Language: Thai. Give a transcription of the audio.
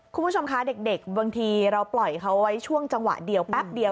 คุณผู้ชมคะเด็กบางทีเราปล่อยเขาไว้ช่วงจังหวะเดียวแป๊บเดียว